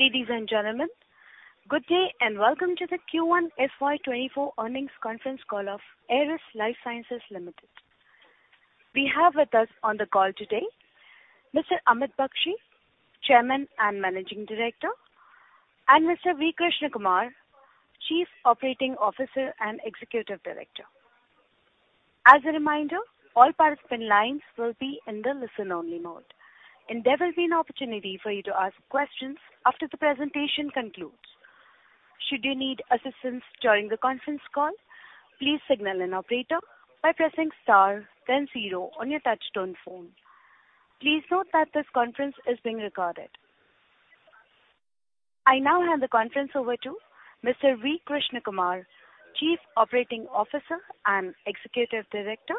Ladies and gentlemen, good day, and welcome to the Q1 FY 2024 earnings conference call of Eris Lifesciences Limited. We have with us on the call today Mr. Amit Bakshi, Chairman and Managing Director, and Mr. V. Krishnakumar, Chief Operating Officer and Executive Director. As a reminder, all participant lines will be in the listen-only mode, and there will be an opportunity for you to ask questions after the presentation concludes. Should you need assistance during the conference call, please signal an operator by pressing star then zero on your touchtone phone. Please note that this conference is being recorded. I now hand the conference over to Mr. V. Krishnakumar, Chief Operating Officer and Executive Director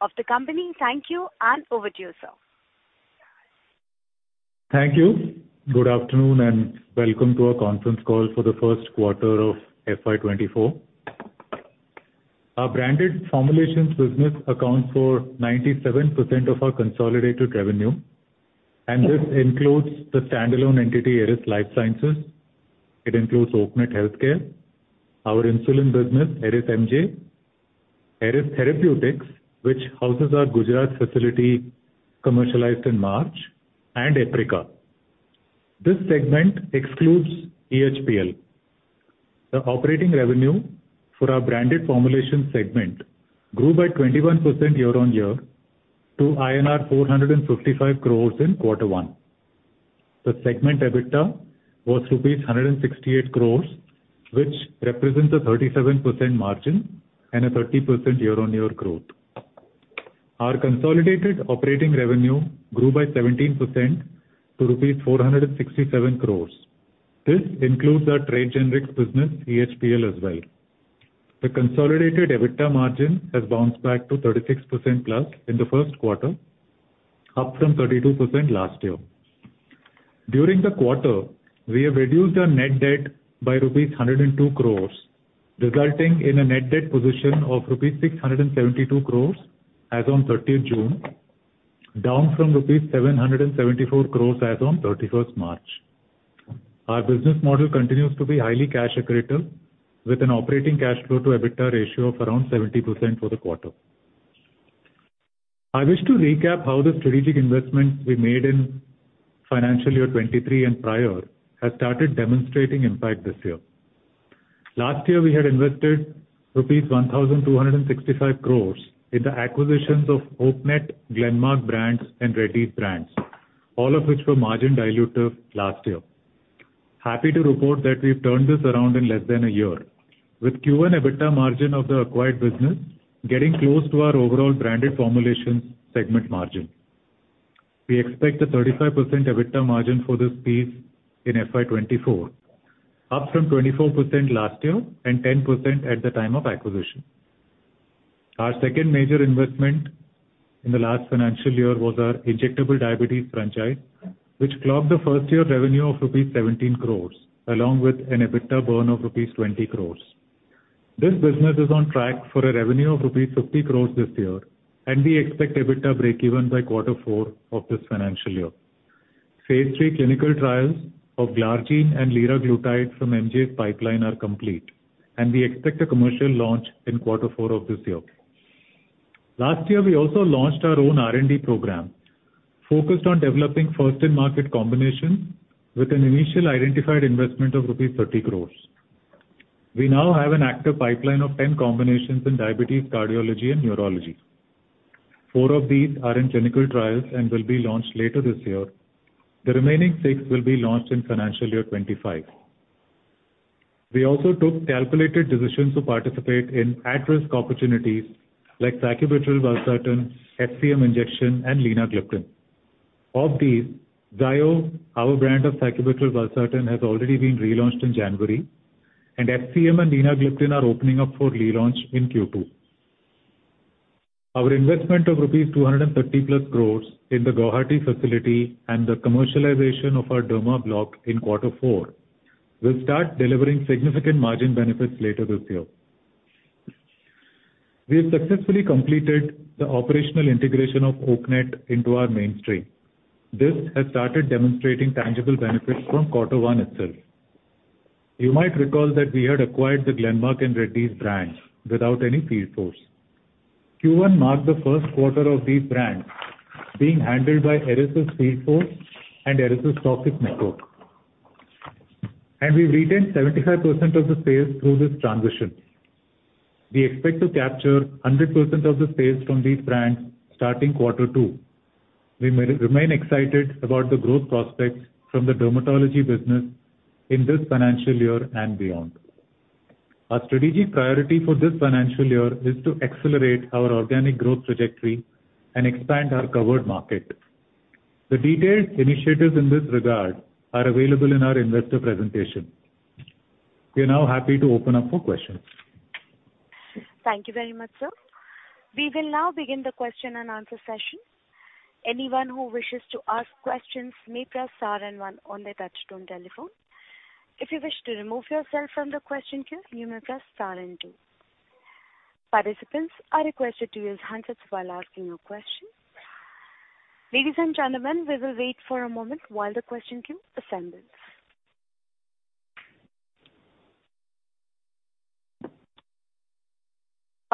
of the company. Thank you, and over to you, sir. Thank you. Good afternoon, welcome to our conference call for the first quarter of FY 2024. Our branded formulations business accounts for 97% of our consolidated revenue, and this includes the standalone entity, Eris Lifesciences. It includes Oaknet Healthcare, our insulin business, Eris MJ, Eris Therapeutics, which houses our Gujarat facility commercialized in March, and Aprica. This segment excludes EHPL. The operating revenue for our branded formulations segment grew by 21% year-on-year to INR 455 crores in Q1. The segment EBITDA was rupees 168 crores, which represents a 37% margin and a 30% year-on-year growth. Our consolidated operating revenue grew by 17% to rupees 467 crores. This includes our trade generics business, EHPL, as well. The consolidated EBITDA margin has bounced back to 36%+ in the first quarter, up from 32% last year. During the quarter, we have reduced our net debt by rupees 102 crores, resulting in a net debt position of rupees 672 crores as on 30 of June 30, down from rupees 774 crores as on 31st March. Our business model continues to be highly cash accretive, with an operating cash flow to EBITDA ratio of around 70% for the quarter. I wish to recap how the strategic investments we made in financial year 2023 and prior have started demonstrating impact this year. Last year, we had invested rupees 1,265 crore in the acquisitions of Oaknet, Glenmark brands and Reddy's brands, all of which were margin-dilutive last year. Happy to report that we've turned this around in less than a year, with Q1 EBITDA margin of the acquired business getting close to our overall branded formulations segment margin. We expect a 35% EBITDA margin for this piece in FY 2024, up from 24% last year and 10% at the time of acquisition. Our second major investment in the last financial year was our injectable diabetes franchise, which clocked a first-year revenue of rupees 17 crore, along with an EBITDA burn of rupees 20 crore. This business is on track for a revenue of rupees 50 crore this year, and we expect EBITDA breakeven by quarter four of this financial year. Phase III clinical trials of glargine and liraglutide from MJ's pipeline are complete, and we expect a commercial launch in quarter four of this year. Last year, we also launched our own R&D program, focused on developing first-in-market combinations with an initial identified investment of rupees 30 crore. We now have an active pipeline of 10 combinations in diabetes, cardiology, and neurology. Four of these are in clinical trials and will be launched later this year. The remaining six will be launched in financial year 2025. We also took calculated decisions to participate in at-risk opportunities like sacubitril/valsartan, FCM injection, and linagliptin. Of these, Zayo, our brand of sacubitril/valsartan, has already been relaunched in January, and FCM and linagliptin are opening up for relaunch in Q2. Our investment of rupees 230+ crores in the Guwahati facility and the commercialization of our derma block in quarter four will start delivering significant margin benefits later this year. We have successfully completed the operational integration of Oaknet into our mainstream. This has started demonstrating tangible benefits from Q1 itself. You might recall that we had acquired the Glenmark and Reddy's brands without any field force. Q1 marked the first quarter of these brands being handled by Eris's field force and Eris's topic network. We've retained 75% of the sales through this transition. We expect to capture 100% of the sales from these brands starting Q2. We remain excited about the growth prospects from the dermatology business in this financial year and beyond. Our strategic priority for this financial year is to accelerate our organic growth trajectory and expand our covered market. The detailed initiatives in this regard are available in our investor presentation. We are now happy to open up for questions. Thank you very much, sir. We will now begin the question and answer session. Anyone who wishes to ask questions may press star and one on their touchtone telephone. If you wish to remove yourself from the question queue, you may press star and two. Participants are requested to use handsets while asking your question. Ladies and gentlemen, we will wait for a moment while the question queue assembles.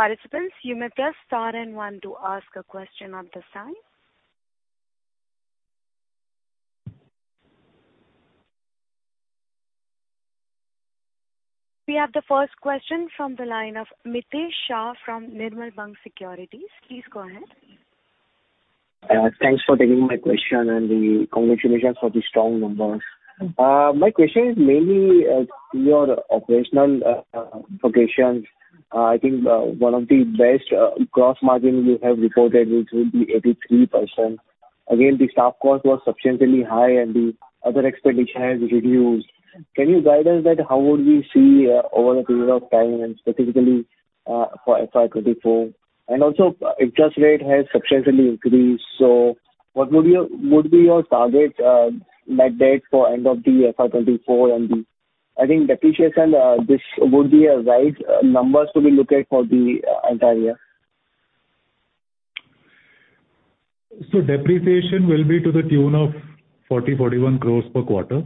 Participants, you may press star and one to ask a question at this time. We have the first question from the line of Mitesh Shah from Nirmal Bang Securities. Please go ahead. Thanks for taking my question, congratulations for the strong numbers. My question is mainly to your operational operations. I think one of the best gross margin you have reported, which will be 83%. Again, the staff cost was substantially high and the other expenditure has reduced. Can you guide us that how would we see over a period of time and specifically for FY 2024? Also, interest rate has substantially increased, so what would be your, what would be your target net debt for end of the FY 2024? I think depreciation, this would be a right numbers to be looked at for the entire year. Depreciation will be to the tune of 40-41 crores per quarter.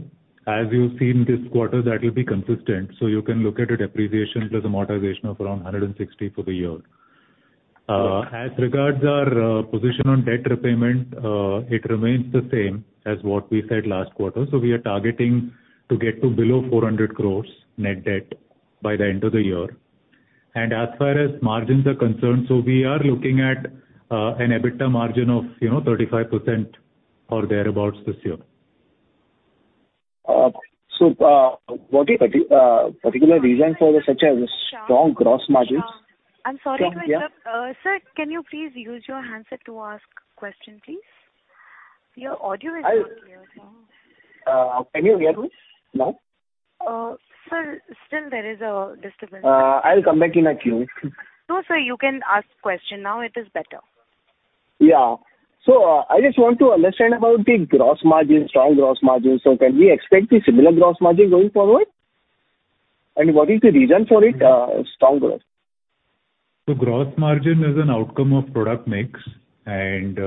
As you've seen this quarter, that will be consistent, you can look at a depreciation plus amortization of around 160 for the year. As regards our position on debt repayment, it remains the same as what we said last quarter. We are targeting to get to below 400 crores net debt by the end of the year. As far as margins are concerned, we are looking at, you know, an EBITDA margin of 35% or thereabout this year. What is particular reason for the such a strong gross margins? Shah, I'm sorry to interrupt. Yeah. sir, can you please use your handset to ask question, please? Your audio is not clear. Can you hear me now? Sir, still there is a disturbance. I'll come back in the queue. No, sir, you can ask question now. It is better. Yeah. I just want to understand about the gross margin, strong gross margin. Can we expect the similar gross margin going forward? What is the reason for it, strong growth? The gross margin is an outcome of product mix and.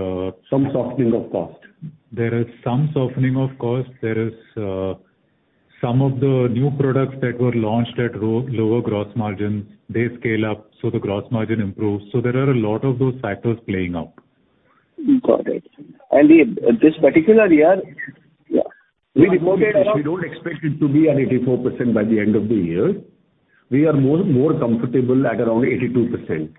Some softening of cost. There is some softening of cost. There is, some of the new products that were launched at lower gross margin, they scale up, so the gross margin improves. There are a lot of those factors playing out. Got it. This particular year, yeah, we reported- We don't expect it to be at 84% by the end of the year. We are more, more comfortable at around 82%.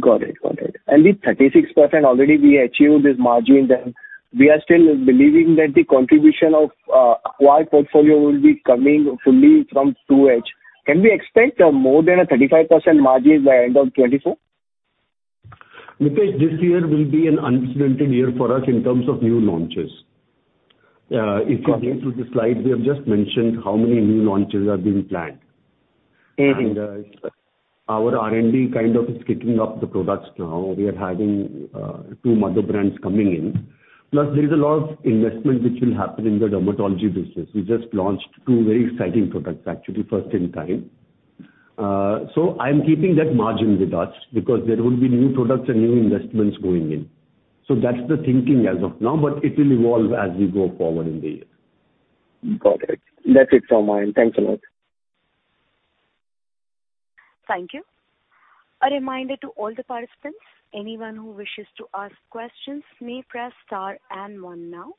Got it. Got it. The 36% already we achieved this margin, then we are still believing that the contribution of acquired portfolio will be coming fully from 2H. Can we expect more than a 35% margin by end of 2024? Mitesh, this year will be an unprecedented year for us in terms of new launches. Got it. If you go through the slides, we have just mentioned how many new launches are being planned. Mm-hmm. Our R&D kind of is kicking off the products now. We are having two mother brands coming in. There is a lot of investment which will happen in the dermatology business. We just launched two very exciting products, actually, first in kind. I'm keeping that margin with us because there will be new products and new investments going in. That's the thinking as of now, but it will evolve as we go forward in the year. Got it. That's it from my end. Thanks a lot. Thank you. A reminder to all the participants, anyone who wishes to ask questions may press star and one now.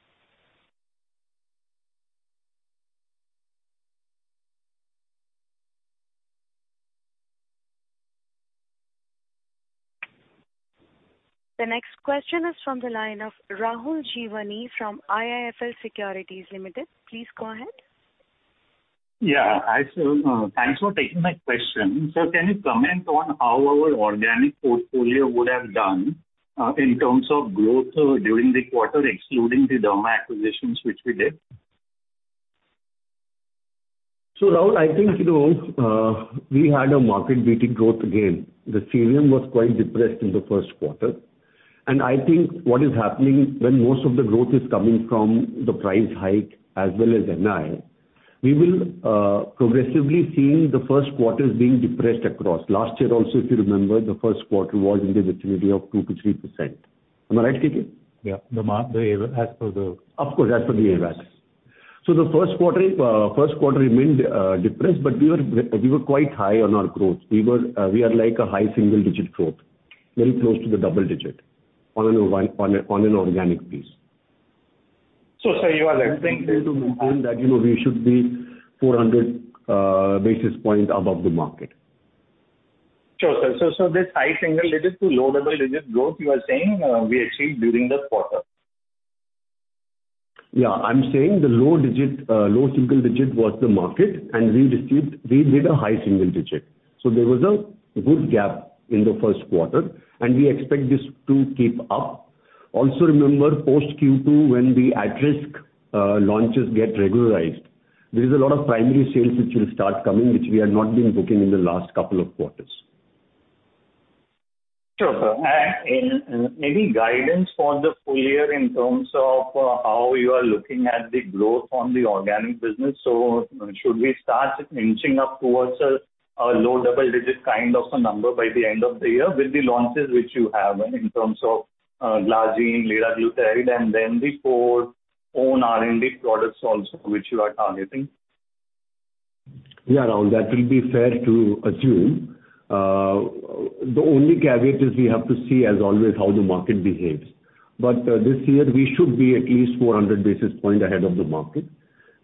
The next question is from the line of Rahul Jeewani from IIFL Securities Limited. Please go ahead. Yeah, I so, thanks for taking my question. Can you comment on how our organic portfolio would have done, in terms of growth, during the quarter, excluding the derma acquisitions which we did? Rahul, I think, you know, we had a market-beating growth again. The volume was quite depressed in the first quarter. I think what is happening, when most of the growth is coming from the price hike as well as NI, we will progressively seeing the first quarters being depressed across. Last year also, if you remember, the first quarter was in the vicinity of 2%-3%. Am I right, KK? Yeah. Of course, as per the AWACS. The first quarter, first quarter remained depressed, but we were, we were quite high on our growth. We were, we are like a high single-digit growth, very close to the double digit on an organic basis. sir, you are expecting- To maintain that, you know, we should be 400 basis points above the market. Sure, sir. So this high-single-digit to low-double-digit growth you are saying, we achieved during the quarter? Yeah, I'm saying the low-digit, low-single digit was the market, and we achieved, we did a high-single-digit. There was a good gap in the first quarter, and we expect this to keep up. Remember, post Q2, when the at-risk launches get regularized, there is a lot of primary sales which will start coming, which we have not been booking in the last couple of quarters. Sure, sir. Any guidance for the full year in terms of how you are looking at the growth on the organic business? Should we start inching up towards a low double-digit kind of a number by the end of the year with the launches which you have in terms of Glargine, liraglutide, and then the four own R&D products also, which you are targeting? Yeah, around that will be fair to assume. The only caveat is we have to see, as always, how the market behaves. This year we should be at least 400 basis points ahead of the market,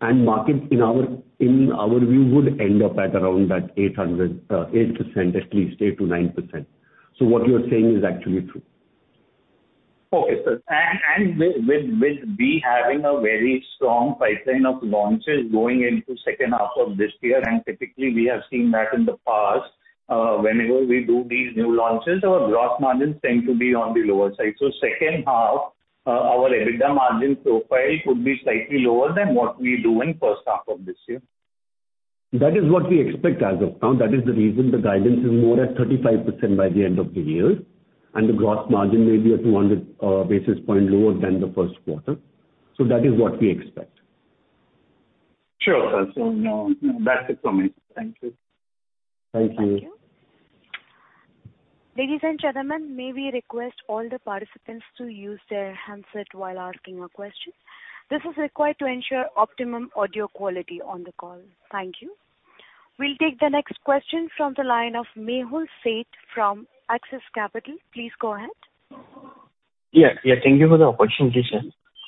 and market in our, in our view, would end up at around that 8%, at least 8%-9%. What you're saying is actually true. Okay, sir. With we having a very strong pipeline of launches going into second half of this year, and typically we have seen that in the past, whenever we do these new launches, our gross margins tend to be on the lower side. Second half, our EBITDA margin profile could be slightly lower than what we do in first half of this year. That is what we expect as of now. That is the reason the guidance is more at 35% by the end of the year, the gross margin may be at 200 basis points lower than the first quarter. That is what we expect. Sure, sir. No, that's it for me. Thank you. Thank you. Thank you. Ladies and gentlemen, may we request all the participants to use their handset while asking a question. This is required to ensure optimum audio quality on the call. Thank you. We'll take the next question from the line of Mehul Sheth from Axis Capital. Please go ahead. Yeah, yeah, thank you for the opportunity, sir.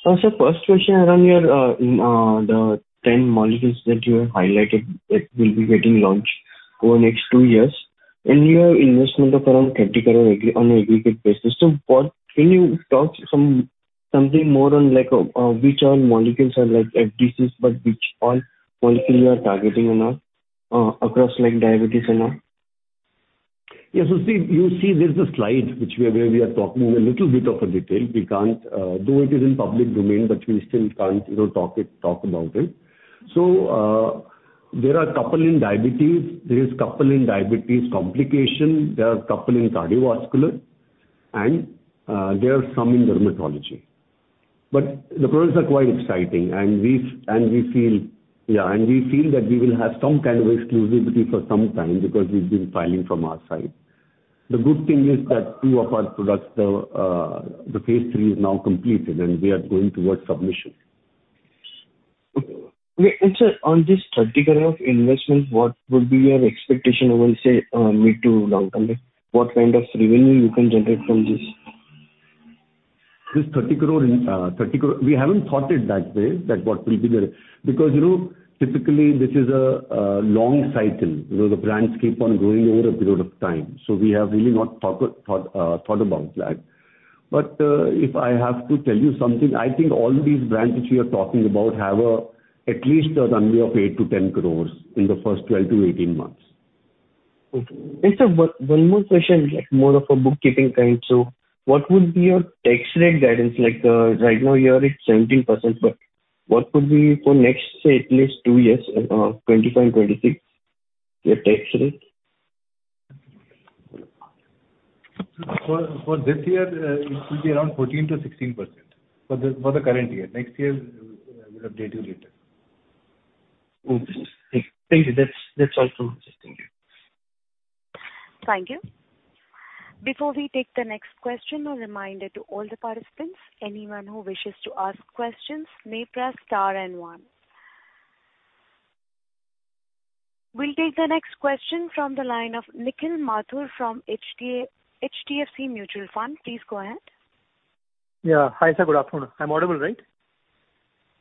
Sir, first question around your the 10 molecules that you have highlighted that will be getting launched over the next two years, and you have investment of around 30 crore on an aggregate basis. Can you talk something more on, like, which are molecules are like FDCs, but which all molecule you are targeting and all, across like diabetes? Yes, see, you see there's a slide which we, where we are talking in a little bit of a detail. We can't, though it is in public domain, but we still can't, you know, talk it, talk about it. There are a couple in diabetes, there is couple in diabetes complication, there are couple in cardiovascular, and there are some in dermatology. The products are quite exciting and we and we feel, yeah, and we feel that we will have some kind of exclusivity for some time because we've been filing from our side. The good thing is that two of our products, the phase III is now completed and we are going towards submission. Okay. sir, on this 30 crore of investment, what would be your expectation over, say, mid to long-term, like what kind of revenue you can generate from this? This 30 crore... We haven't thought it that way, that what will be the... Because, you know, typically this is a long cycle. You know, the brands keep on growing over a period of time, so we have really not thought about that. If I have to tell you something, I think all these brands which we are talking about have at least a runway of 8-10 crore in the first 12-18 months. Okay. sir, one more question, like more of a bookkeeping kind. What would be your tax rate guidance? Like, right now, you are at 17%, but what would be for next, say, at least two years, 2025, 2026, your tax rate? For, for this year, it will be around 14%-16%, for the, for the current year. Next year, we'll, we'll update you later. Okay. Thank you. That's, that's all from me. Thank you. Thank you. Before we take the next question, a reminder to all the participants, anyone who wishes to ask questions, may press *1. We'll take the next question from the line of Nikhil Mathur from HDFC Mutual Fund. Please go ahead. Yeah. Hi, sir. Good afternoon. I'm audible, right?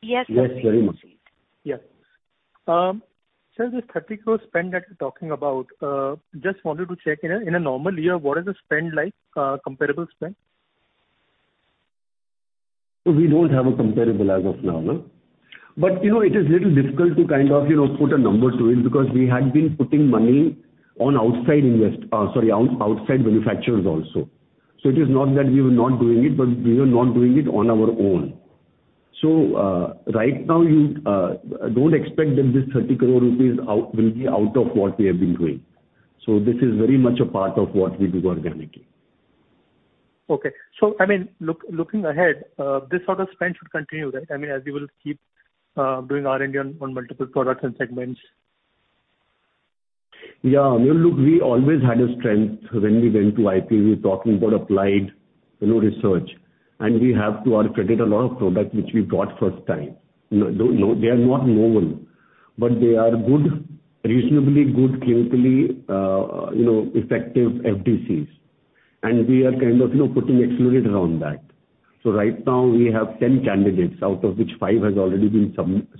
Yes. Yes, very much. Yeah. Sir, this 30 crore spend that you're talking about, just wanted to check, in a normal year, what is the spend like, comparable spend? We don't have a comparable as of now, no. You know, it is a little difficult to kind of, you know, put a number to it, because we had been putting money on outside invest, sorry, outside manufacturers also. It is not that we were not doing it, but we were not doing it on our own. Right now, you don't expect that this 30 crore rupees out, will be out of what we have been doing. This is very much a part of what we do organically. Okay. I mean, look, looking ahead, this sort of spend should continue, right? I mean, as we will keep doing R&D on multiple products and segments. Yeah, I mean, look, we always had a strength when we went to IPO. We're talking about applied, you know, research, and we have to our credit, a lot of products which we've got first time. You know, though, though they are not known, but they are good, reasonably good, clinically, you know, effective FDCs. We are kind of, you know, putting exclusivities around that. Right now we have 10 candidates, out of which five has already been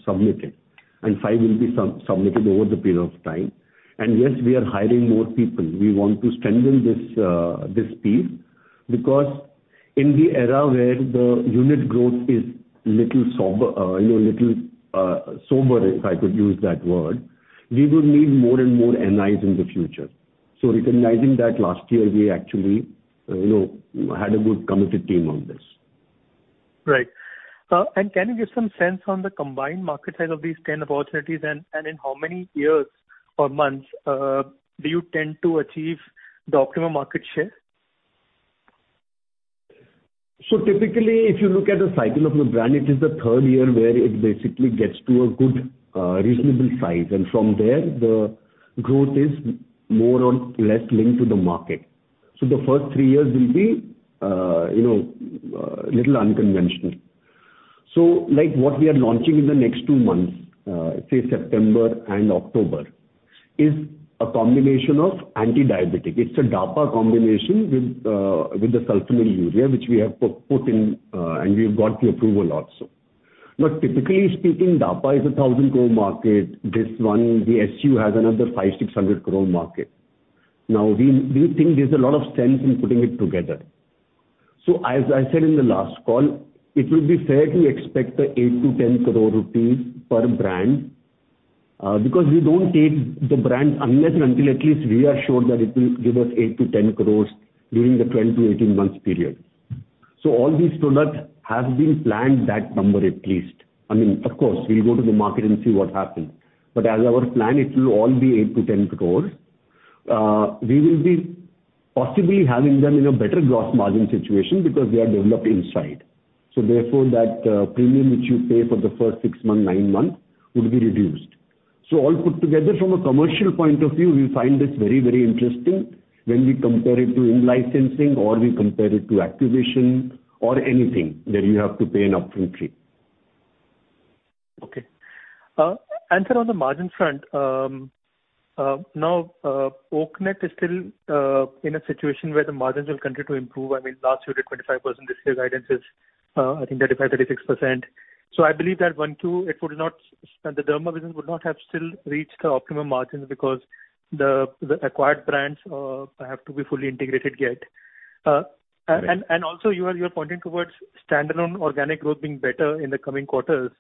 submitted, and five will be submitted over the period of time. Yes, we are hiring more people. We want to strengthen this, this piece, because in the era where the unit growth is little sober, you know, little sober, if I could use that word, we would need more and more NIs in the future. Recognizing that last year, we actually, you know, had a good committed team on this.... Right. Can you give some sense on the combined market size of these 10 opportunities, and in how many years or months, do you tend to achieve the optimum market share? Typically, if you look at the cycle of a brand, it is the 3rd year where it basically gets to a good, reasonable size, and from there, the growth is more or less linked to the market. The first three years will be, you know, little unconventional. Like what we are launching in the next two months, say September and October, is a combination of anti-diabetic. It's a DAPA combination with the sulfonylurea, which we have put in, and we've got the approval also. Typically speaking, DAPA is an 1,000 crore market. This one, the SU, has another 500-600 crore market. We, we think there's a lot of sense in putting it together. As I said in the last call, it will be fair to expect the 8-10 crore rupees per brand because we don't take the brand unless and until at least we are sure that it will give us 8-10 crore during the 12-18 months period. All these products have been planned that number at least. I mean, of course, we'll go to the market and see what happens. But as our plan, it will all be 8-10 crore. We will be possibly having them in a better gross margin situation because they are developed inside. Therefore, that premium which you pay for the first six months, nine months, will be reduced. All put together from a commercial point of view, we find this very, very interesting when we compare it to in-licensing or we compare it to acquisition or anything, where you have to pay an upfront fee. Okay. Sir, on the margin front, now Oaknet is still in a situation where the margins will continue to improve. I mean, last year did 25%, this year's guidance is, I think 35%-36%. I believe that one, two, it would not. The derma business would not have still reached the optimum margins because the acquired brands have to be fully integrated yet. Also you are pointing towards standalone organic growth being better in the coming quarters.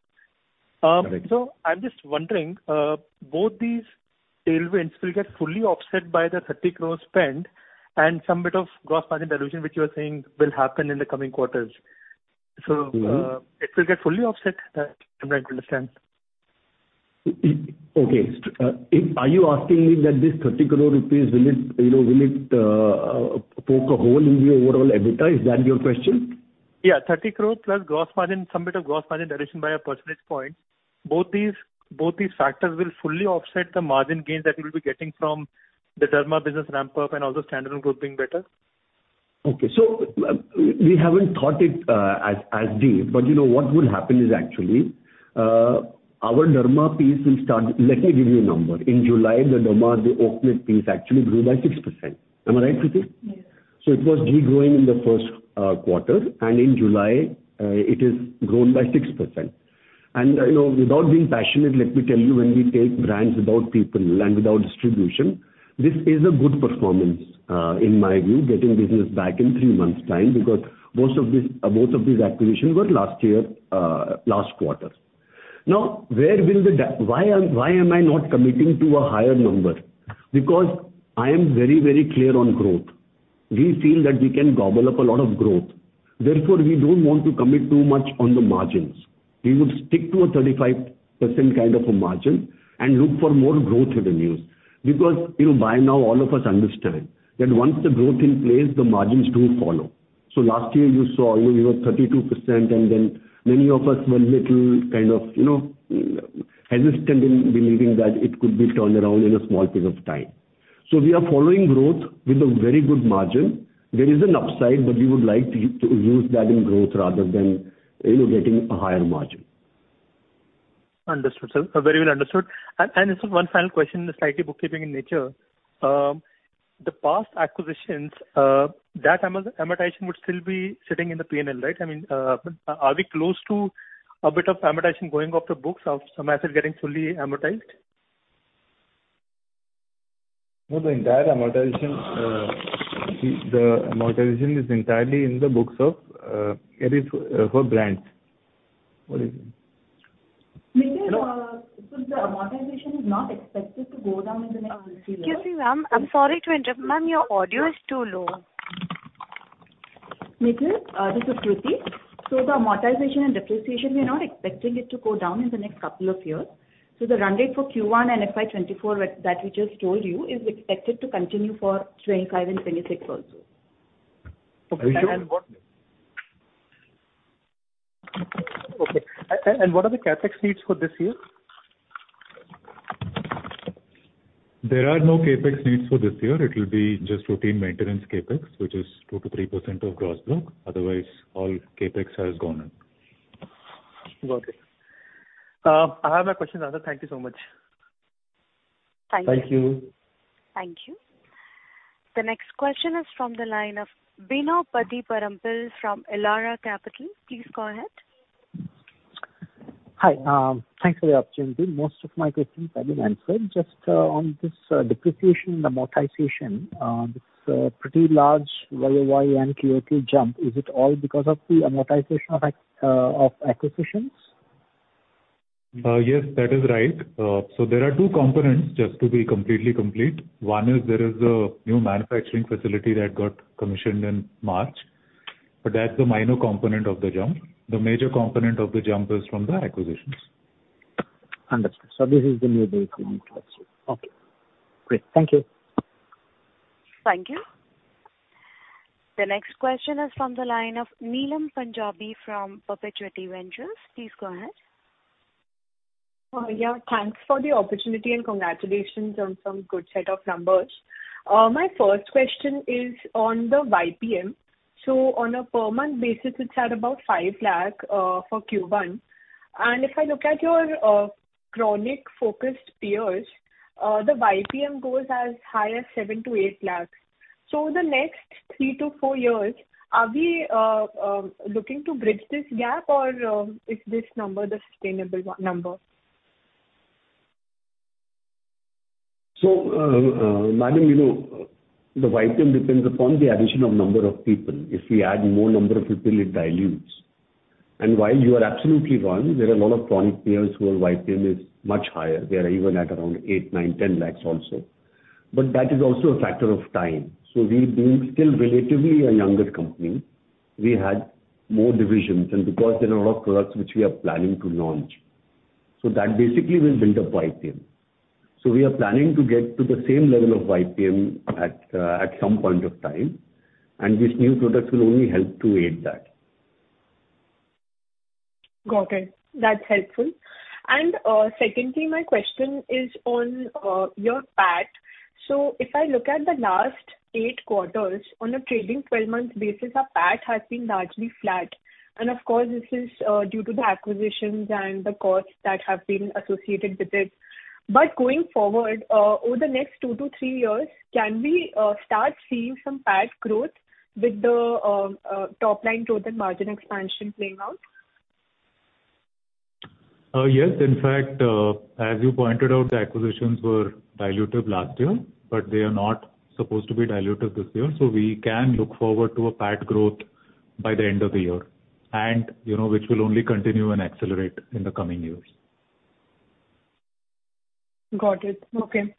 Correct. I'm just wondering, both these tailwinds will get fully offset by the 30 crore spend and some bit of gross margin dilution, which you are saying will happen in the coming quarters. Mm-hmm. it will get fully offset? I'm trying to understand. Okay. Are you asking me that this 30 crore rupees, will it, you know, will it poke a hole in the overall EBITDA? Is that your question? Yeah, 30 crore plus gross margin, some bit of gross margin dilution by a percentage point. Both these factors will fully offset the margin gains that you will be getting from the derma business ramp-up and also standalone growth being better? Okay, we haven't thought it, as, as deep, but, you know, what would happen is actually, our derma piece will start... Let me give you a number. In July, the derma, the Oaknet piece, actually grew by 6%. Am I right, Kruti? Yes. It was degrowing in the first quarter. In July, it is grown by 6%. You know, without being passionate, let me tell you, when we take brands without people and without distribution, this is a good performance in my view, getting business back in three months' time, because most of these, most of these acquisitions were last year, last quarter. Where will why am I not committing to a higher number? Because I am very, very clear on growth. We feel that we can gobble up a lot of growth, therefore, we don't want to commit too much on the margins. We would stick to a 35% kind of a margin and look for more growth revenues. You know, by now, all of us understand that once the growth in place, the margins do follow. Last year you saw, you know, you were 32%, and then many of us were little kind of, you know, hesitant in believing that it could be turned around in a small period of time. We are following growth with a very good margin. There is an upside, we would like to, to use that in growth rather than, you know, getting a higher margin. Understood, sir. Very well understood. Just one final question, slightly bookkeeping in nature. The past acquisitions, that amortization would still be sitting in the P&L, right? Are we close to a bit of amortization going off the books, or some assets getting fully amortized? No, the entire amortization, the amortization is entirely in the books of Eris, for brands. What do you think? Nikhil, the amortization is not expected to go down in the next three years. Excuse me, ma'am, I'm sorry to interrupt. Ma'am, your audio is too low. Nikil, this is Kruti. The amortization and depreciation, we are not expecting it to go down in the next couple of years. The run rate for Q1 and FY 2024 that, that we just told you, is expected to continue for 2025 and 2026 also. Okay. Are you sure? Okay. What are the CapEx needs for this year? There are no CapEx needs for this year. It will be just routine maintenance CapEx, which is 2%-3% of gross book. Otherwise, all CapEx has gone in. Got it. I have no questions now. Thank you so much. Thank you. Thank you. Thank you. The next question is from the line of Bino Pathiparampil from Elara Capital. Please go ahead. Hi, thanks for the opportunity. Most of my questions have been answered. Just on this depreciation and amortization, it's a pretty large year-on-year and QOQ jump. Is it all because of the amortization of acquisitions? Yes, that is right. There are two components, just to be completely complete. One is there is a new manufacturing facility that got commissioned in March, but that's the minor component of the jump. The major component of the jump is from the acquisitions. Understood. This is the new base we need to have. Okay, great. Thank you. Thank you. The next question is from the line of Neelam Punjabi from Perpetuity Ventures. Please go ahead. Yeah, thanks for the opportunity, and congratulations on some good set of numbers. My first question is on the YPM. On a per month basis, it's at about 5 lakh for Q1. If I look at your chronic-focused peers, the YPM goes as high as 7- 8 lakh. The next three to four years, are we looking to bridge this gap, or is this number the sustainable one, number? Madam, you know, the YPM depends upon the addition of number of people. If we add more number of people, it dilutes. While you are absolutely wrong, there are a lot of chronic peers who YPM is much higher. They are even at around 8 lakh, 9 lakh, 10 lakh also. That is also a factor of time. We being still relatively a younger company, we had more divisions, and because there are a lot of products which we are planning to launch, so that basically will build up YPM. We are planning to get to the same level of YPM at some point of time, and these new products will only help to aid that. Got it. That's helpful. Secondly, my question is on your PAT. If I look at the last eight quarters, on a trading 12-month basis, our PAT has been largely flat. Of course, this is due to the acquisitions and the costs that have been associated with it. Going forward, over the next two to three years, can we start seeing some PAT growth with the top line growth and margin expansion playing out? Yes. In fact, as you pointed out, the acquisitions were dilutive last year. They are not supposed to be dilutive this year. We can look forward to a PAT growth by the end of the year, you know, which will only continue and accelerate in the coming years. Got it. Okay.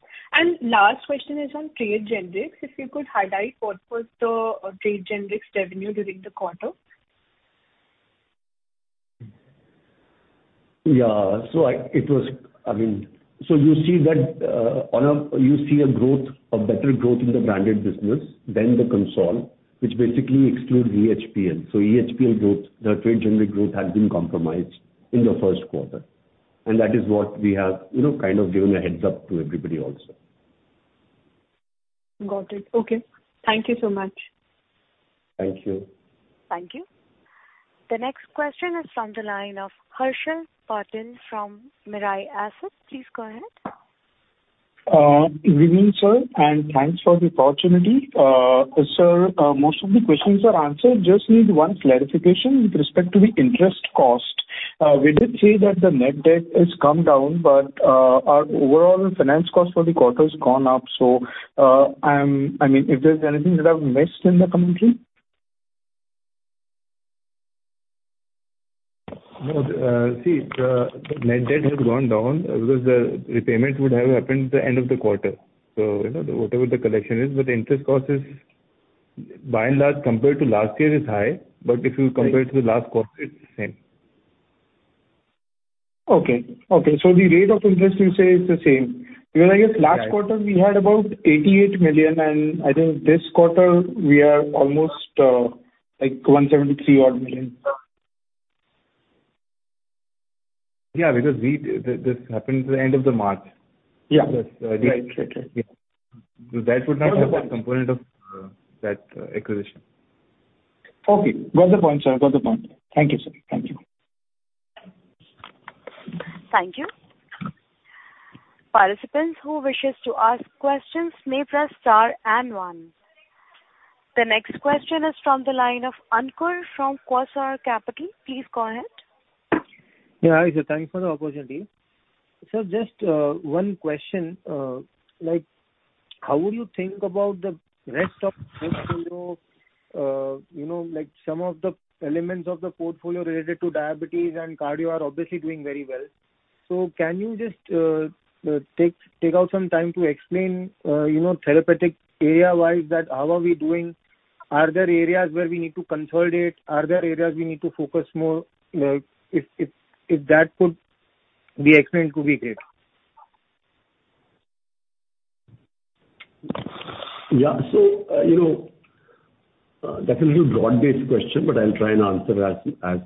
Last question is on trade generics. If you could highlight, what was the trade generics revenue during the quarter? Yeah. I-- it was, I mean... You see that, on a, you see a growth, a better growth in the branded business than the consolidated, which basically excludes EHPL. EHPL growth, the trade generic growth, has been compromised in the first quarter, and that is what we have, you know, kind of given a heads-up to everybody also. Got it. Okay. Thank you so much. Thank you. Thank you. The next question is from the line of Harshal Patil from Mirae Asset. Please go ahead. Good evening, sir, thanks for the opportunity. Sir, most of the questions are answered, just need one clarification with respect to the interest cost. We did say that the net debt has come down, our overall finance cost for the quarter has gone up. I mean, if there's anything that I've missed in the commentary? No, see, the net debt has gone down because the repayments would have happened at the end of the quarter. You know, whatever the collection is, but the interest cost is, by and large, compared to last year, is high, but if you compare it to the last quarter, it's the same. Okay. Okay, the rate of interest you say is the same? Right. I guess last quarter we had about 88 million, and I think this quarter we are almost, like 173 odd million. Yeah, because we, this happened at the end of March. Yeah. Right. Right. Right. Yeah. That would not be the component of that acquisition. Okay. Got the point, sir. Got the point. Thank you, sir. Thank you. Thank you. Participants who wishes to ask questions, may press star and one. The next question is from the line of Ankur from Quasar Capital. Please go ahead. Yeah, hi, sir. Thank you for the opportunity. Just one question. Like, how would you think about the rest of, you know, like some of the elements of the portfolio related to diabetes and cardio are obviously doing very well? Can you just take out some time to explain, you know, therapeutic area-wise, that how are we doing? Are there areas where we need to consolidate? Are there areas we need to focus more? Like, if that could be explained, it would be great. Yeah. You know, that's a little broad-based question, but I'll try and answer as, as,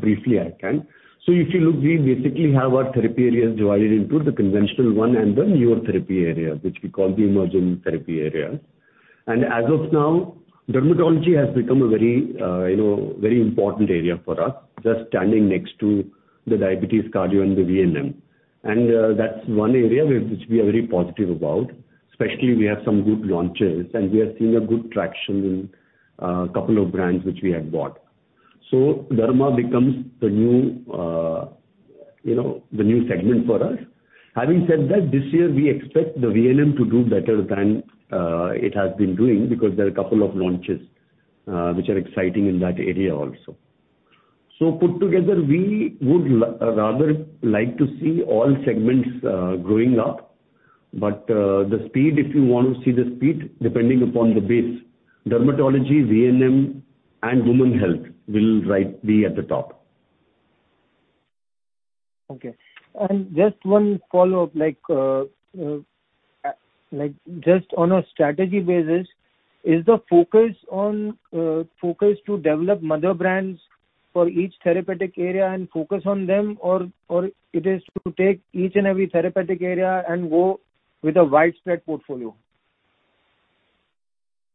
briefly I can. If you look, we basically have our therapy areas divided into the conventional one and the newer therapy area, which we call the emerging therapy area. As of now, dermatology has become a very, you know, very important area for us, just standing next to the diabetes, cardio, and the VLM. That's one area where, which we are very positive about, especially we have some good launches, and we are seeing a good traction in, a couple of brands which we have bought. Derma becomes the new, you know, the new segment for us. Having said that, this year we expect the VLM to do better than, it has been doing, because there are a couple of launches.... which are exciting in that area also. Put together, we would rather like to see all segments, growing up, but, the speed, if you want to see the speed, depending upon the base, dermatology, VLM, and women's health will right be at the top. Okay. Just one follow-up, like just on a strategy basis, is the focus on, focus to develop mother brands for each therapeutic area and focus on them, or it is to take each and every therapeutic area and go with a widespread portfolio?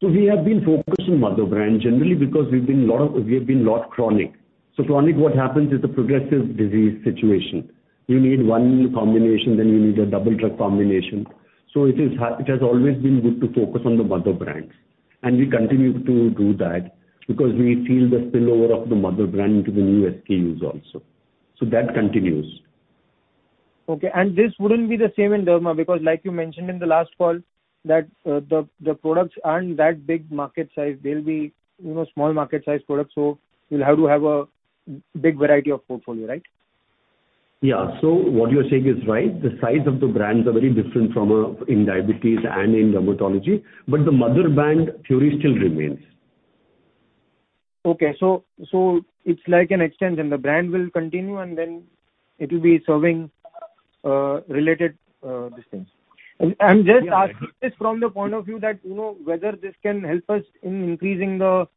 We have been focused on mother brand generally, because we've been chronic. Chronic, what happens is a progressive disease situation. You need one combination, then you need a double drug combination. It has always been good to focus on the mother brands, and we continue to do that because we feel the spillover of the mother brand into the new SKUs also. That continues. Okay. This wouldn't be the same in derma, because like you mentioned in the last call, that, the products aren't that big market size, they'll be, you know, small market size products, so you'll have to have a big variety of portfolio, right? Yeah. What you're saying is right. The size of the brands are very different from, in diabetes and in dermatology, but the mother brand theory still remains. It's like an extension. The brand will continue, and then it will be serving, related business. I'm just asking this from the point of view that, you know, whether this can help us in increasing the,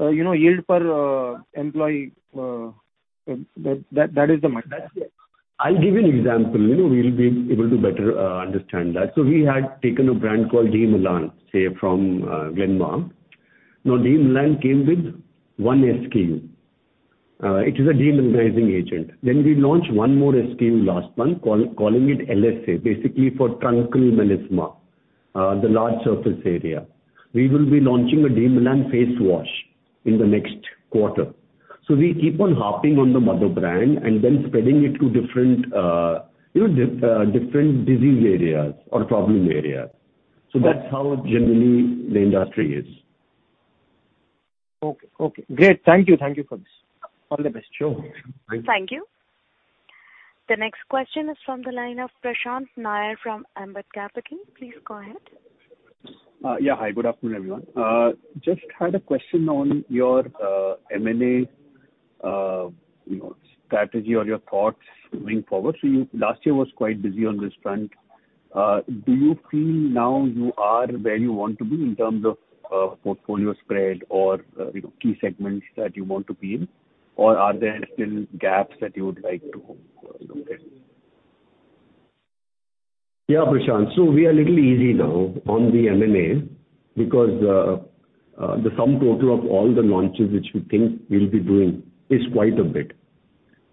you know, yield per employee, that, that is the main question. I'll give you an example. You know, we'll be able to better understand that. We had taken a brand called Demelan, say, from Glenmark. Demelan came with one SKU. It is a demelanizing agent. We launched 1 more SKU last month, calling it LSA, basically for truncal melisma, the large surface area. We will be launching a Demelan face wash in the next quarter. We keep on harping on the mother brand and then spreading it to different, you know, different disease areas or problem areas. That's how generally the industry is. Okay. Okay, great. Thank you. Thank you for this. All the best. Sure. Thank you. The next question is from the line of Prashant Nair, from Ambit Capital. Please go ahead. Yeah, hi, good afternoon, everyone. Just had a question on your M&A, you know, strategy or your thoughts going forward. You, last year was quite busy on this front. Do you feel now you are where you want to be in terms of portfolio spread or, you know, key segments that you want to be in, or are there still gaps that you would like to look at? Yeah, Prashant. We are little easy now on the M&A because the sum total of all the launches, which we think we'll be doing, is quite a bit.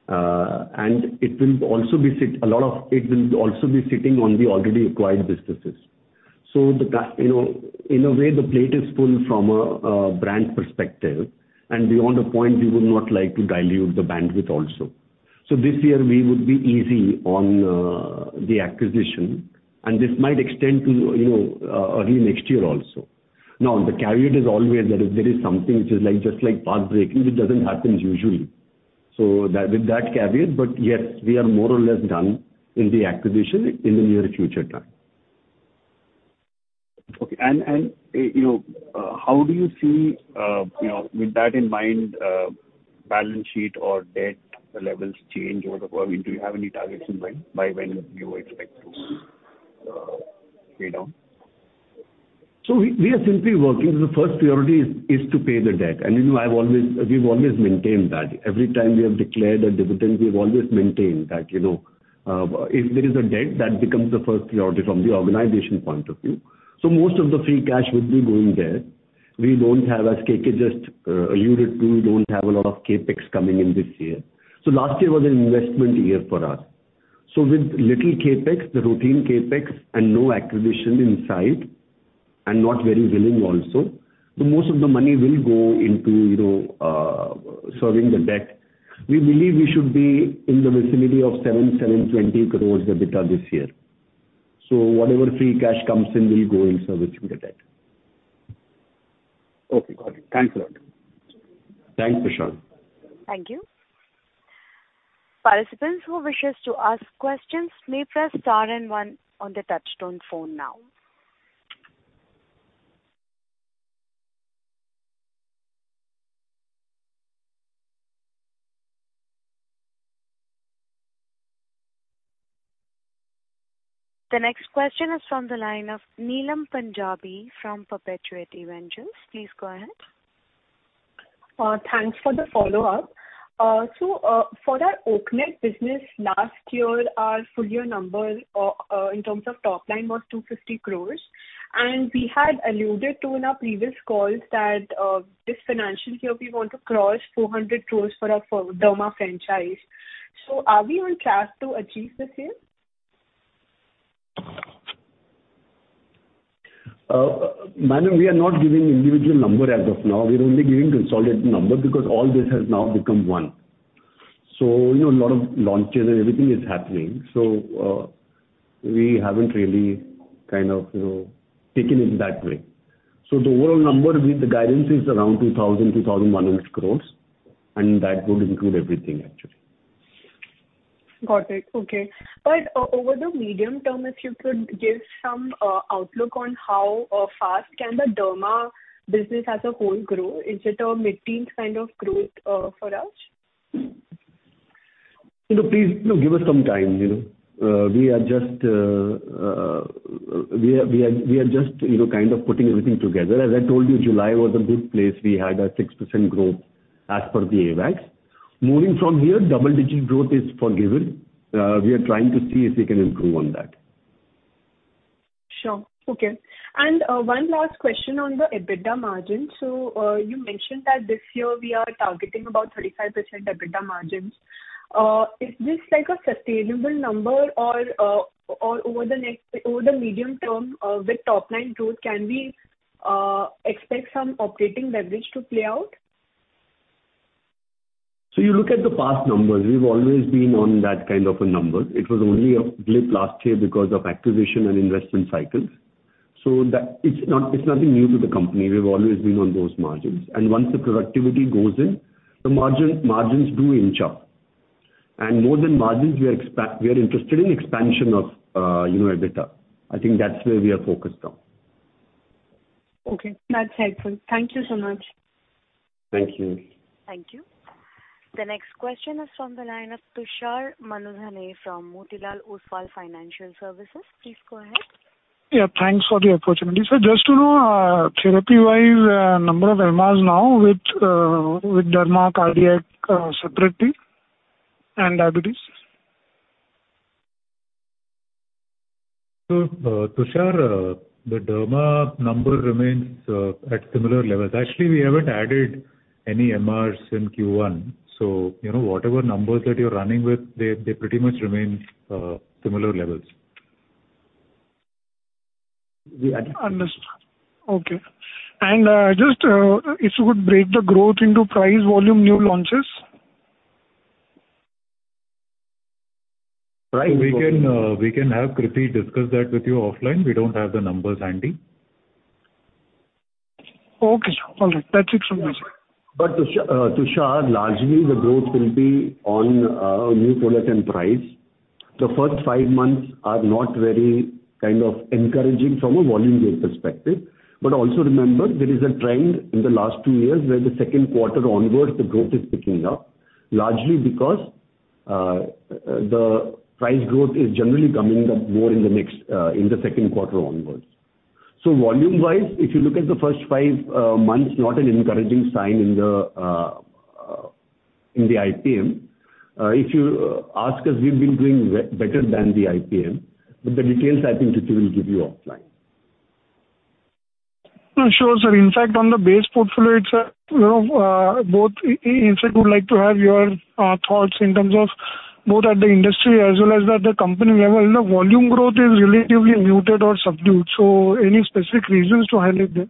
It will also be sit- a lot of it will also be sitting on the already acquired businesses. The you know, in a way, the plate is full from a brand perspective, and beyond a point, we would not like to dilute the bandwidth also. This year we would be easy on the acquisition, and this might extend to, you know, early next year also. The caveat is always that if there is something which is like, just like pathbreaking, it doesn't happen usually. That, with that caveat, yes, we are more or less done in the acquisition in the near future time. Okay. you know, how do you see, you know, with that in mind, balance sheet or debt levels change over the? Do you have any targets in when, by when you expect to pay down? We, we are simply working. The first priority is to pay the debt. You know, I've always, we've always maintained that. Every time we have declared a dividend, we've always maintained that, you know, if there is a debt, that becomes the first priority from the organization point of view. Most of the free cash would be going there. We don't have, as KK just alluded to, we don't have a lot of CapEx coming in this year. Last year was an investment year for us. With little CapEx, the routine CapEx, and no acquisition in sight, and not very willing also, most of the money will go into, you know, serving the debt. We believe we should be in the vicinity of 720 crore EBITDA this year. Whatever free cash comes in will go in servicing the debt. Okay, got it. Thanks a lot. Thanks, Prashant. Thank you. Participants who wishes to ask questions may press star and one on the touchtone phone now. The next question is from the line of Neelam Punjabi from Perpetuity Ventures. Please go ahead. Thanks for the follow-up. For our Oaknet business, last year, our full year numbers, in terms of top line was 250 crores, and we had alluded to in our previous calls that, this financial year, we want to cross 400 crores for our derma franchise. Are we on track to achieve the same? madam, we are not giving individual number as of now. We're only giving consolidated number, because all this has now become one. You know, a lot of launches and everything is happening, we haven't really kind of, you know, taken it that way. The overall number, the guidance is around 2,000 crore-2,100 crore, and that would include everything, actually. Got it. Okay. Over the medium term, if you could give some outlook on how fast can the Derma business as a whole grow? Is it a mid-teens kind of growth for us? You know, please, you know, give us some time, you know. We are just, we are, we are, we are just, you know, kind of putting everything together. As I told you, July was a good place. We had a 6% growth as per the AWACS. Moving from here, double-digit growth is for given, we are trying to see if we can improve on that. Sure. Okay. one last question on the EBITDA margin. you mentioned that this year we are targeting about 35% EBITDA margins. is this like a sustainable number or, or over the next, over the medium term, with top-line growth, can we expect some operating leverage to play out? You look at the past numbers, we've always been on that kind of a number. It was only a blip last year because of acquisition and investment cycles. It's not, it's nothing new to the company. We've always been on those margins. Once the productivity goes in, the margin, margins do inch up. More than margins, we are interested in expansion of, you know, EBITDA. I think that's where we are focused on. Okay, that's helpful. Thank you so much. Thank you. Thank you. The next question is from the line of Tushar Manudhane from Motilal Oswal Financial Services. Please go ahead. Yeah, thanks for the opportunity. Sir, just to know, therapy-wise, number of MRs now with, with derma cardiac, separately and diabetes? Tushar, the Derma number remains at similar levels. Actually, we haven't added any MRs in Q1, so, you know, whatever numbers that you're running with, they, they pretty much remain similar levels. Understood. Okay. Just, if you would break the growth into price, volume, new launches. We can, we can have Kruti discuss that with you offline. We don't have the numbers handy. Okay, sir. All right. That's it from my side. Tusha- Tushar, largely the growth will be on, new product and price. The first five months are not very kind of encouraging from a volume game perspective. Also remember, there is a trend in the last two years, where the second quarter onwards, the growth is picking up, largely because, the price growth is generally coming up more in the next, in the second quarter onwards. Volume-wise, if you look at the first five months, not an encouraging sign in the, in the IPM. If you ask us, we've been doing better than the IPM, but the details I think that they will give you offline. Sure, sir. In fact, on the base portfolio, it's, you know, In fact, I would like to have your thoughts in terms of both at the industry as well as at the company level. You know, volume growth is relatively muted or subdued, so any specific reasons to highlight there?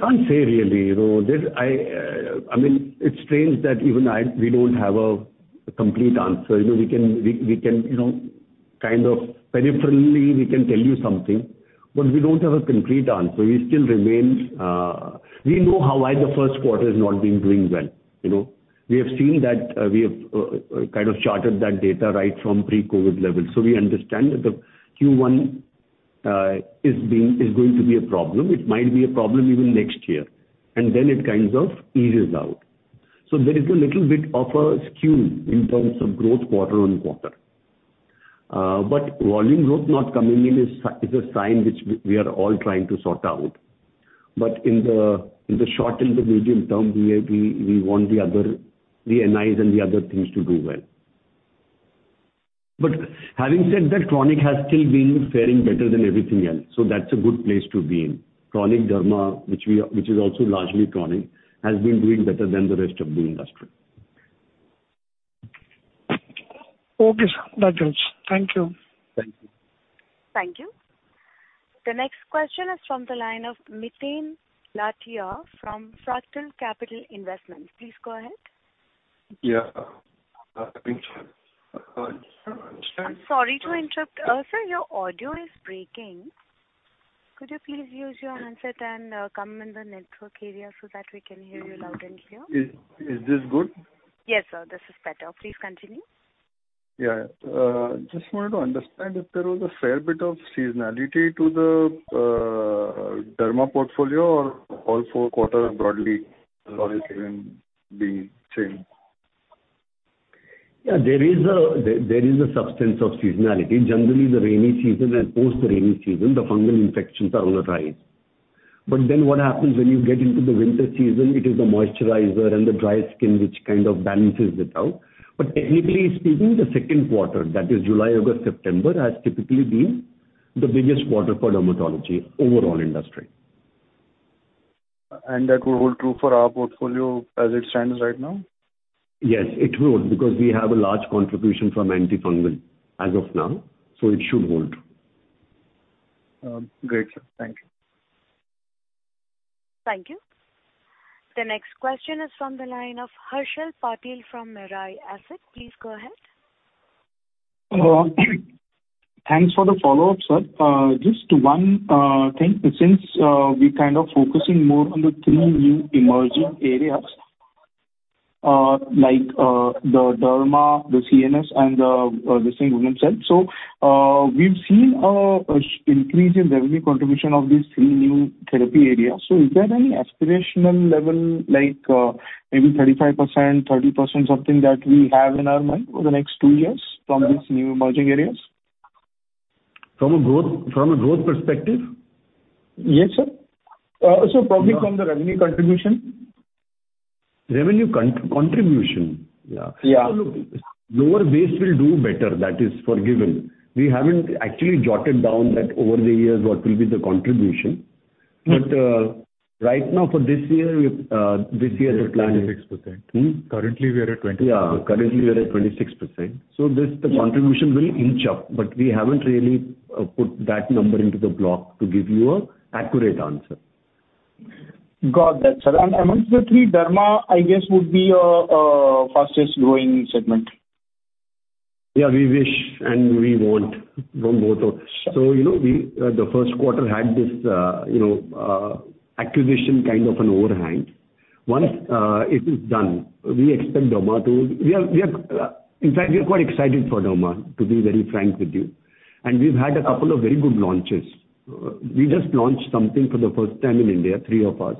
Can't say really, you know, there's I, I mean, it's strange that even I, we don't have a complete answer. You know, we can, we, we can, you know, kind of peripherally, we can tell you something, but we don't have a complete answer. It still remains. We know how, why the first quarter has not been doing well. You know, we have seen that we have kind of charted that data right from pre-COVID levels. We understand that the Q1 is being, is going to be a problem. It might be a problem even next year, and then it kinds of eases out. There is a little bit of a skew in terms of growth quarter-on-quarter. Volume growth not coming in is a sign which we, we are all trying to sort out. In the, in the short and the medium term, we are, we want the other, the NIs and the other things to do well. Having said that, chronic has still been fairing better than everything else, so that's a good place to be in. Chronic Derma, which is also largely chronic, has been doing better than the rest of the industry. Okay, sir. That's all. Thank you. Thank you. Thank you. The next question is from the line of Miten Lathia from Fractal Capital Investments. Please go ahead. Yeah, I think, I don't understand- I'm sorry to interrupt. Sir, your audio is breaking. Could you please use your handset and come in the network area so that we can hear you loud and clear? Is, is this good? Yes, sir, this is better. Please continue. Yeah. Just wanted to understand if there was a fair bit of seasonality to the derma portfolio or all four quarters broadly, have been the same? Yeah, there is a substance of seasonality. Generally, the rainy season and post the rainy season, the fungal infections are on the rise. Then what happens when you get into the winter season, it is the moisturizer and the dry skin which kind of balances it out. Technically speaking, the second quarter, that is July, August, September, has typically been the biggest quarter for dermatology overall industry. That would hold true for our portfolio as it stands right now? Yes, it would, because we have a large contribution from antifungal as of now. It should hold. great, sir. Thank you. Thank you. The next question is from the line of Harshal Patil from Mirae Asset. Please go ahead. Thanks for the follow-up, sir. Just one thing, since we're kind of focusing more on the three new emerging areas, like the derma, the CNS, and the single himself. We've seen a increase in revenue contribution of these three new therapy areas. Is there any aspirational level like maybe 35%, 30%, something that we have in our mind over the next two years from these new emerging areas? From a growth, from a growth perspective? Yes, sir. probably from the revenue contribution. Revenue contribution? Yeah. Yeah. Lower base will do better, that is for given. We haven't actually jotted down that over the years, what will be the contribution. Mm. Right now for this year, this year, the plan is. 26%. Hmm? Currently, we are at 26%. Yeah, currently we are at 26%. This, the contribution will inch up, but we haven't really put that number into the block to give you a accurate answer. Got that, sir. Amongst the three, derma, I guess, would be your fastest growing segment? Yeah, we wish and we want from both of... You know, we, the first quarter had this, you know, acquisition kind of an overhang. Yes. Once it is done, we expect derma to... We are, we are, in fact, we are quite excited for derma, to be very frank with you. We've had a couple of very good launches. Yes. We just launched something for the first time in India, three of us.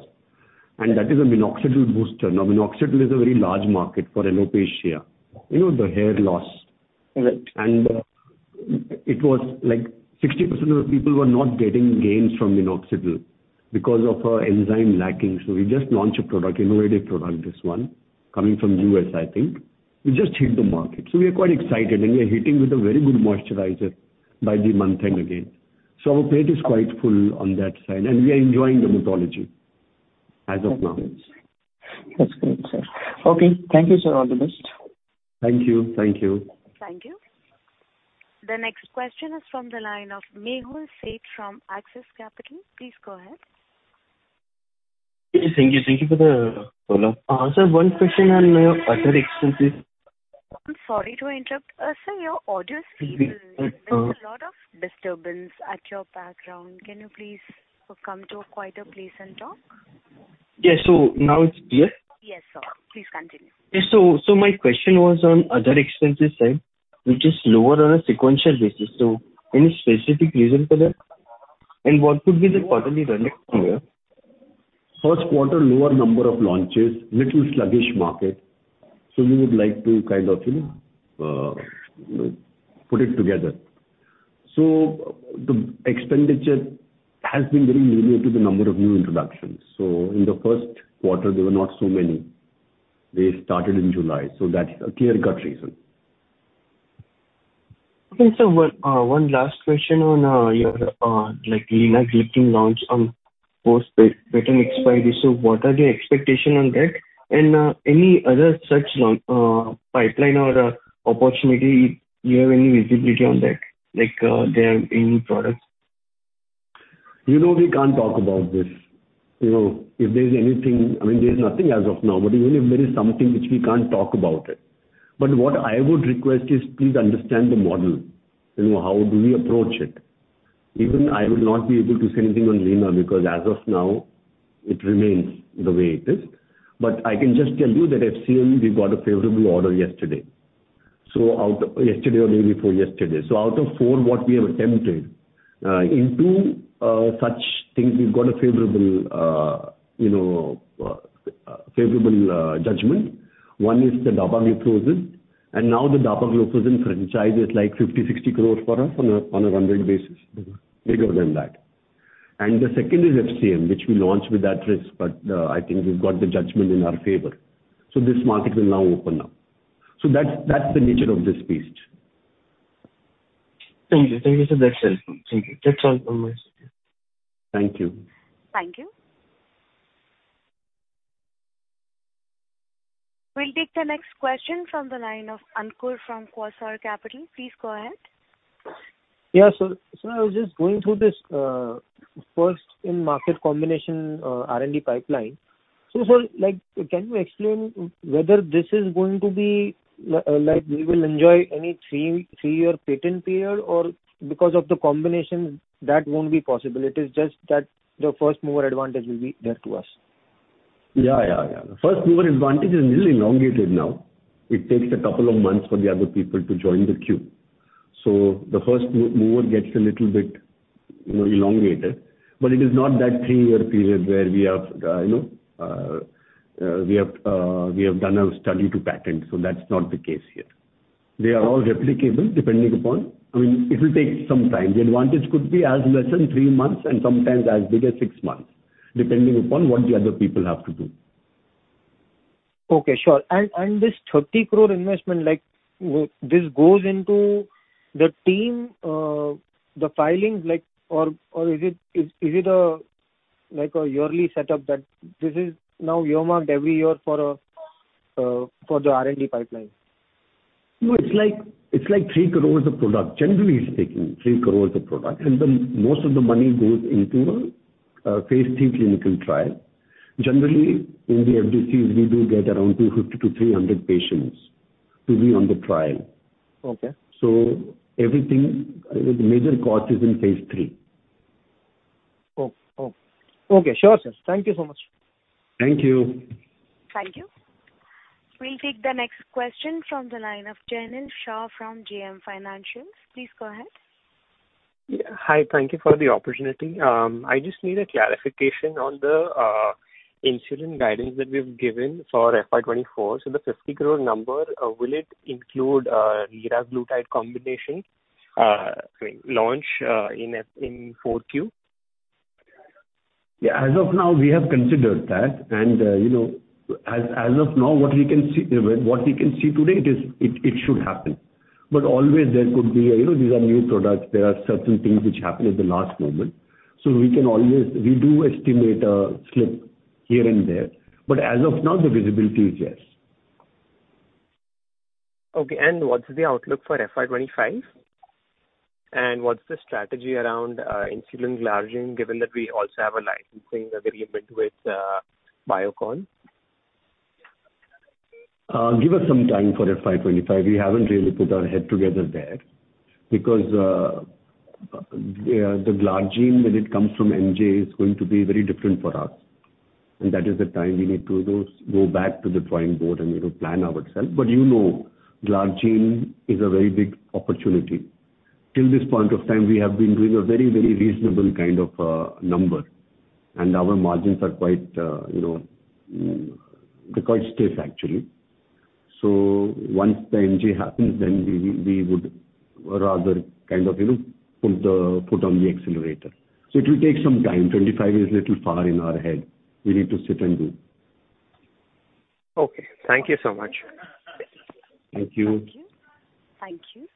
That is a minoxidil booster. Minoxidil is a very large market for alopecia, you know, the hair loss. Correct. It was like 60% of the people were not getting gains from minoxidil because of an enzyme lacking. We just launched a product, innovative product, this one, coming from U.S., I think. We just hit the market. We are quite excited, and we are hitting with a very good moisturizer by the month end again. Our plate is quite full on that side, and we are enjoying the dermatology as of now. That's great, sir. Okay, thank you, sir. All the best. Thank you. Thank you. Thank you. The next question is from the line of Mehul Sheth from Axis Capital. Please go ahead. Yes, thank you. Thank you for the follow-up. sir, one question on your other expenses. I'm sorry to interrupt. sir, your audio is squealing. Uh, uh- There's a lot of disturbance at your background. Can you please come to a quieter place and talk? Yeah. Now it's clear? Yes, sir. Please continue. Yes. My question was on other expenses side, which is lower on a sequential basis. Any specific reason for that? What could be the quarterly run rate from here? First quarter, lower number of launches, little sluggish market. We would like to kind of, you know, put it together. The expenditure has been very linear to the number of new introductions. In the first quarter, there were not so many. They started in July, that's a clear-cut reason. Okay, sir, one, one last question on, your, like, linagliptin launch on post patent expiry. What are the expectation on that? Any other such launch, pipeline or opportunity, do you have any visibility on that, like, there are any new products? You know, we can't talk about this. You know, if there's anything, I mean, there's nothing as of now, even if there is something, which we can't talk about it. What I would request is please understand the model, you know, how do we approach it? Even I would not be able to say anything on linagliptin, because as of now, it remains the way it is. I can just tell you that FCM, we got a favorable order yesterday. Yesterday or day before yesterday. Out of four, what we have attempted, in two such things, we've got a favorable, you know, favorable judgment. One is the dapagliflozin, and now the dapagliflozin franchise is like 50 crore-60 crore for us on a running basis, bigger than that. The second is FCM, which we launched with that risk, but, I think we've got the judgment in our favor. This market will now open up. That's, that's the nature of this beast. Thank you. Thank you, sir. That's helpful. Thank you. That's all from my side. Thank you. Thank you. We'll take the next question from the line of Ankur from Quasar Capital. Please go ahead. I was just going through this first-in-market combination R&D pipeline. Sir, can you explain whether this is going to be, we will enjoy any three, three-year patent period, or because of the combination, that won't be possible, it is just that the first mover advantage will be there to us? Yeah, yeah, yeah. The first mover advantage is a little elongated now. It takes a couple of months for the other people to join the queue. The first mover gets a little bit, you know, elongated, but it is not that three-year period where we have, you know, we have, we have done a study to patent. That's not the case here. They are all replicable, depending upon... I mean, it will take some time. The advantage could be as less than three months and sometimes as big as six months, depending upon what the other people have to do. Okay, sure. This 30 crore investment, like, this goes into the team, the filings, like, or is it a, like a yearly setup, that this is now earmarked every year for the R&D pipeline? No, it's like, it's like 3 crore a product. Generally speaking, 3 crore a product. Then most of the money goes into phase III clinical trial. Generally, in the FDCs, we do get around 250-300 patients to be on the trial. Okay. Everything, the major cost is in phase III. Oh, oh. Okay, sure, sir. Thank you so much. Thank you. Thank you. We'll take the next question from the line of Janil Shah from JM Financials. Please go ahead. Yeah. Hi, thank you for the opportunity. I just need a clarification on the insulin guidance that we've given for FY 2024. The 50 crore number, will it include liraglutide combination, I mean, launch in 4Q? Yeah, as of now, we have considered that, and, you know, as, as of now, what we can see, what we can see today, it should happen. Always there could be a, you know, these are new products, there are certain things which happen at the last moment. We can always. We do estimate a slip here and there, but as of now, the visibility is yes. Okay, what's the outlook for FY 2025? What's the strategy around insulin glargine, given that we also have a licensing agreement with Biocon? Give us some time for FY 2025. We haven't really put our head together there because the glargine, when it comes from MJ, is going to be very different for us, and that is the time we need to go, go back to the drawing board and, you know, plan ourselves. You know, glargine is a very big opportunity. Till this point of time, we have been doing a very, very reasonable kind of number, and our margins are quite, you know, they're quite stiff, actually. Once the MJ happens, then we, we would rather kind of, you know, put the, put on the accelerator. It will take some time. 2025 is a little far in our head. We need to sit and do. Okay, thank you so much. Thank you. Thank you. Thank you.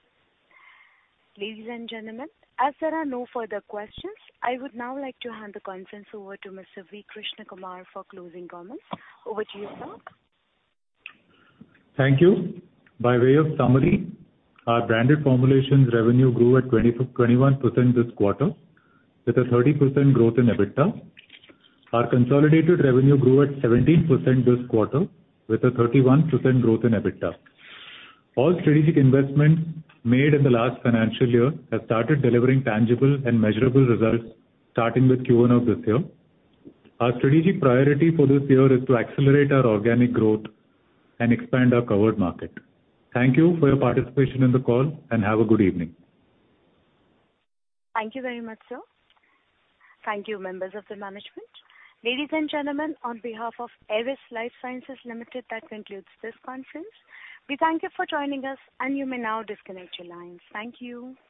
Ladies and gentlemen, as there are no further questions, I would now like to hand the conference over to Mr. V. Krishnakumar for closing comments. Over to you, sir. Thank you. By way of summary, our branded formulations revenue grew at 21% this quarter, with a 30% growth in EBITDA. Our consolidated revenue grew at 17% this quarter, with a 31% growth in EBITDA. All strategic investments made in the last financial year have started delivering tangible and measurable results, starting with Q1 of this year. Our strategic priority for this year is to accelerate our organic growth and expand our covered market. Thank you for your participation in the call, and have a good evening. Thank you very much, sir. Thank you, members of the management. Ladies and gentlemen, on behalf of Eris Lifesciences Limited, that concludes this conference. We thank you for joining us, and you may now disconnect your lines. Thank you.